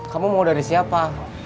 kamu mau dari siapa